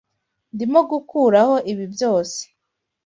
Ndimo gukuraho ibi byose.